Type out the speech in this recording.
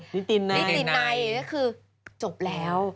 นิตินในนี่คือจบแล้ว